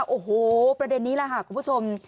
โอ้โฮประเด็นนี้ล่ะครับคุณผู้ชม